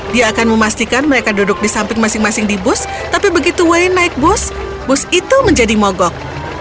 dia akan memastikan mereka duduk di samping masing masing di bus tapi begitu wayne naik bus bus itu menjadi mogok